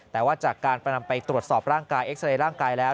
แต่ว่าจากการไปตรวจสอบร่างกายเอ็กซ์ไลน์ร่างกายแล้ว